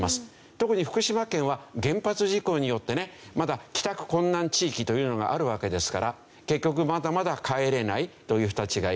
特に福島県は原発事故によってねまだ帰宅困難地域というのがあるわけですから結局まだまだ帰れないという人たちがいる。